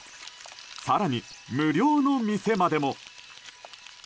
更に無料の店までも。